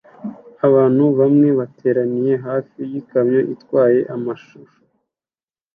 Abantu bamwe bateraniye hafi yikamyo itwaye amashusho